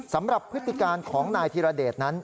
สำหรับพฤติการของนายธิรเดชนั้น